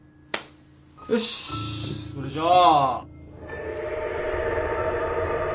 よしそれじゃあ。